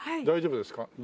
大丈夫ですか？